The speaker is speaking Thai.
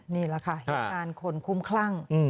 นี่แหละค่ะเหตุการณ์คนคุ้มคลั่ง